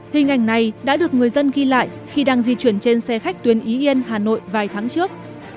hình ảnh này đã được người dân ghi lại khi đang di chuyển trên xe khách tuyến y yên hà nội vài tháng trước